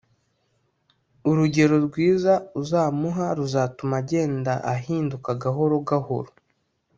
urugero rwiza uzamuha ruzatuma agenda ahinduka gahoro gahoro